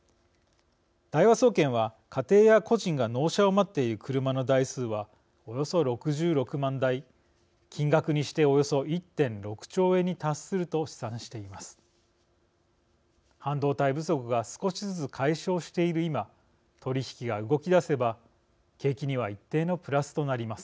大和総研は家庭や個人が納車を待っている車の台数はおよそ６６万台金額にしておよそ１．６兆円に達すると試算しています。